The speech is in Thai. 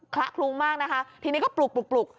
คละครุงมากนะคะทีนี้ก็ปลุก